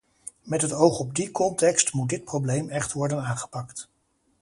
Met het oog op die context moet dit probleem echt worden aangepakt.